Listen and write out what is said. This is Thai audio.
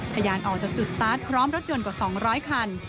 ทยานออกจากจุดสตาร์ทพร้อมรถยนต์กว่า๒๐๐คัน